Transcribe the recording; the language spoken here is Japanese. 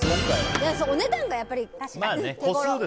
お値段が、やっぱり手ごろ。